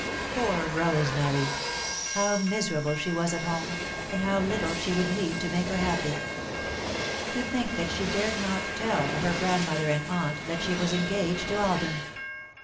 Poor Rosemary! How miserable she was at home, and how little she would need to make her happy! To think that she dared not tell her Grandmother and Aunt that she was engaged to Alden!